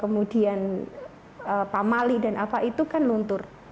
kemudian pak mali dan apa itu kan luntur